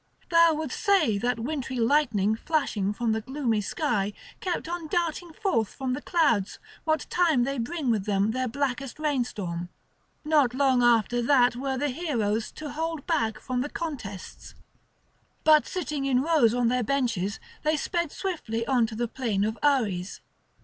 Thou wouldst say that wintry lightning flashing from the gloomy sky kept on darting forth from the clouds what time they bring with them their blackest rainstorm. Not long after that were the heroes to hold back from the contests; but sitting in rows on their benches they sped swiftly on to the plain of Ares.